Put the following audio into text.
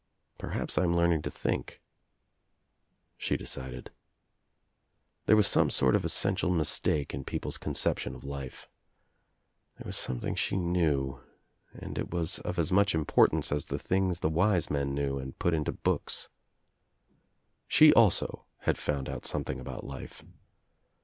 "Perhaps I am learn ing to think," she decided. There was some sort of essential mistake in people's conception of life. There OUT OF NOWHERE INTO NOTHING 205 was something she knew and it was of as much Im portance as the things the wise men knew and put into books. She also had found out something about life.